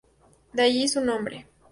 De ahí, su nombre.